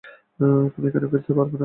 তুমি এখানে ফিরতে পারবে না।